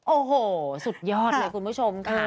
โอ้โหสุดยอดเลยคุณผู้ชมค่ะ